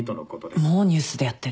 もうニュースでやってる。